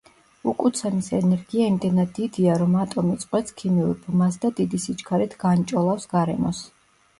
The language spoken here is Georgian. უკუცემის ენერგია იმდენად დიდია, რომ ატომი წყვეტს ქიმიურ ბმას და დიდი სიჩქარით განჭოლავს გარემოს.